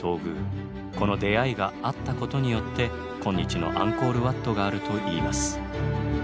この出会いがあったことによって今日のアンコールワットがあるといいます。